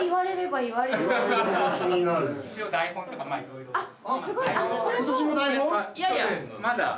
いやいやまだ。